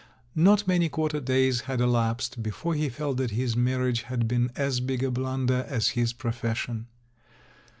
Not many quarter days had elapsed before he felt that his marriage had been as big a blunder as his profession.